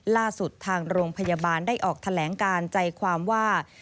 ทางโรงพยาบาลได้ออกแถลงการใจความว่า